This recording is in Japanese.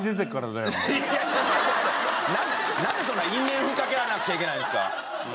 なんで因縁ふっかけられなくちゃいけないんですか。